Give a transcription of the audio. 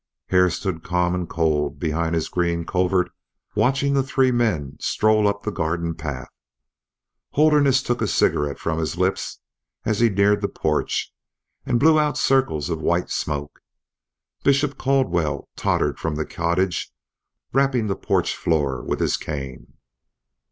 Hare stood calm and cold behind his green covert watching the three men stroll up the garden path. Holderness took a cigarette from his lips as he neared the porch and blew out circles of white smoke. Bishop Caldwell tottered from the cottage rapping the porch floor with his cane.